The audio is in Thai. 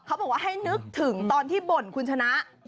เขาบอกว่าให้นึกถึงตอนที่บ่นคุณชนะ